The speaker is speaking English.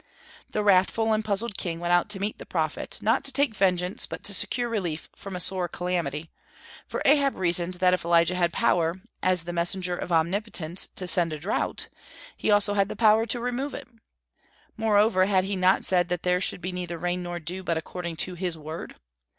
The wrathful and puzzled king went out to meet the prophet, not to take vengeance, but to secure relief from a sore calamity, for Ahab reasoned that if Elijah had power, as the messenger of Omnipotence, to send a drought, he also had the power to remove it. Moreover, had he not said that there should be neither rain nor dew but according to his word?